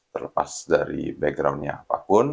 terlepas dari backgroundnya apapun